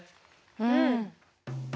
うん！